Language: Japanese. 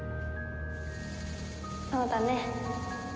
そうだね。